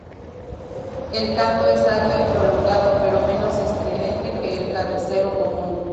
El canto es alto y prolongado, pero menos estridente que el carricero común.